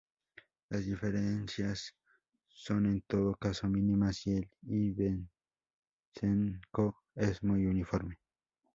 Las diferencias son en todo caso mínimas y el ibicenco es muy uniforme.